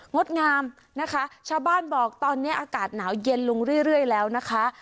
ดงามนะคะชาวบ้านบอกตอนนี้อากาศหนาวเย็นลงเรื่อยแล้วนะคะ